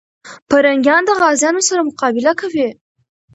پرنګیان د غازيانو سره مقابله کوي.